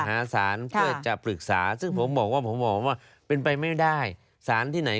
หาศาลเพื่อจะปรึกษาซึ่งผมบอกว่าผมบอกว่าเป็นไปไม่ได้สารที่ไหน